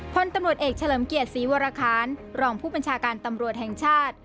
พลตำรวจเอกเฉลิมเกียรติศรีวรคารรองผู้บัญชาการตำรวจแห่งชาติ